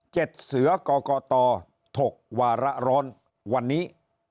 เจ็ดเสือกรกตทกวรรณวันนี้